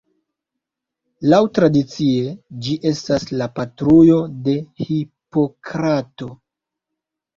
Laŭtradicie ĝi estas la patrujo de Hipokrato.